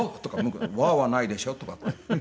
「“うわっ！”はないでしょ」とかって。